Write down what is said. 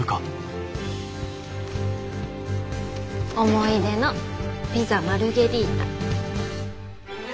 「思い出のピザ・マルゲリータ」。